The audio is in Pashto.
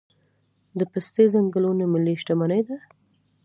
د پستې ځنګلونه ملي شتمني ده؟